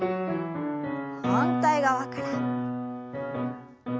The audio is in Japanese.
反対側から。